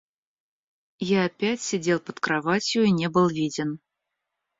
Я опять сидел под кроватью и не был виден.